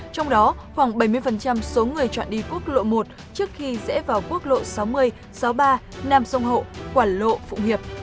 trong đó khoảng bảy mươi số người chọn đi quốc lộ một trước khi rẽ vào quốc lộ sáu mươi sáu mươi ba nam sông hậu quảng lộ phụng hiệp